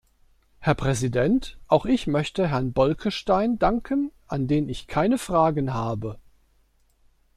Herr Präsident, auch ich möchte Herrn Bolkestein danken, an den ich keine Fragen habe.